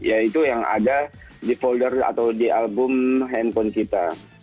yaitu yang ada di folder atau di album handphone kita